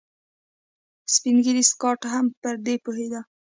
سپين ږيری سکاټ هم پر دې پوهېده.